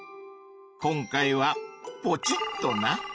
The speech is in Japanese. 今回はポチッとな！